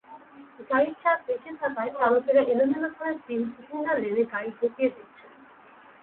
গাড়ির চাপ বেশি থাকায় চালকেরা এলোমেলোভাবে বিভিন্ন লেনে গাড়ি ঢুকিয়ে দিচ্ছেন।